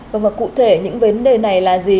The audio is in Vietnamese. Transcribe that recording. và cụ thể những vấn đề này là gì